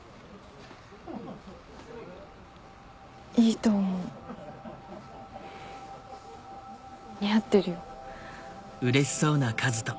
いいと思う似合ってるよ。